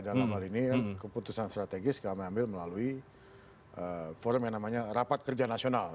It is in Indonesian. dan keputusan strategis kami ambil melalui forum yang namanya rapat kerja nasional